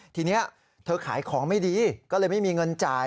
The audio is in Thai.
ทีนี้เธอขายของไม่ดีก็เลยไม่มีเงินจ่าย